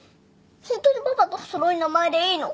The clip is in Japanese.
ホントにパパとお揃いの名前でいいの？